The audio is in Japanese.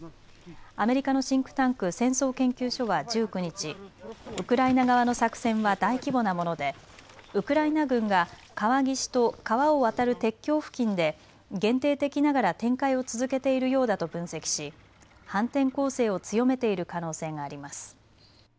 アメリカのシンクタンク、戦争研究所は１９日、ウクライナ側の作戦は大規模なものでウクライナ軍が川岸と川を渡る鉄橋付近で限定的ながら展開を続けているようだと分析し反転攻勢を強めている可能性があります。